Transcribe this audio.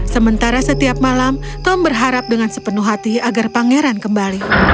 sementara setiap malam tom berharap dengan sepenuh hati agar pangeran kembali